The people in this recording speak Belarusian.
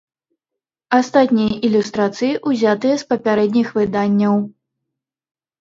Астатнія ілюстрацыі ўзятыя з папярэдніх выданняў.